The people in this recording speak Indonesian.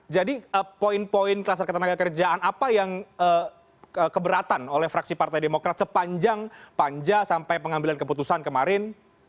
jadi poin poin kelas reketan agar kerjaan apa yang keberatan oleh fraksi partai demokrat sepanjang panja sampai pengambilan keputusan kemarin